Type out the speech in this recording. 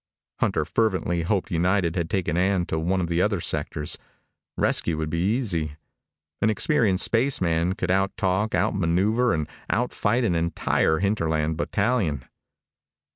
Hunter fervently hoped United had taken Ann to one of the other sectors. Rescue would be easy. An experienced spaceman could out talk, out maneuver, and out fight an entire hinterland battalion.